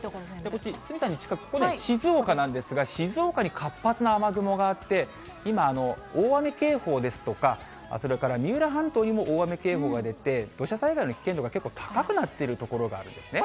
こっち、鷲見さんの近く、ここね、静岡なんですけれども、静岡に活発な雨雲があって、今、大雨警報ですとか、それから三浦半島にも大雨警報が出て、土砂災害の危険度が結構高くなっている所があるんですね。